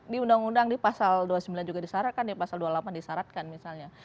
di undang undang di pasal dua puluh sembilan juga disyaratkan di pasal dua puluh delapan disyaratkan misalnya